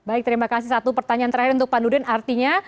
baik terima kasih satu pertanyaan terakhir untuk pak nudin artinya